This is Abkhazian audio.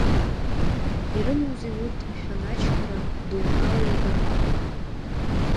Ирымоузеи урҭ мшәан, ачҳара, доуҳала еибаркуп.